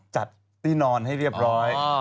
จัดที่นอนให้เรียบร้อย